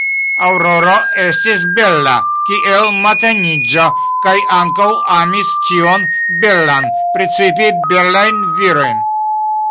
Aŭroro estis bela kiel mateniĝo kaj ankaŭ amis ĉion belan, precipe belajn virojn.